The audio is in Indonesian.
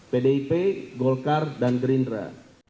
pdip golkar dan gerindra